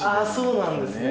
そうなんですね。